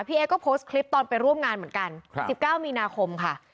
เอ๊ก็โพสต์คลิปตอนไปร่วมงานเหมือนกัน๑๙มีนาคมค่ะ